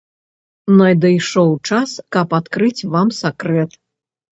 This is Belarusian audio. Надышоў час, каб адкрыць вам сакрэт.